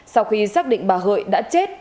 sau khi xác định bà hợi đã chết